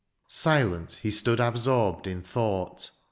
^' Silent he stood absorbed in thought.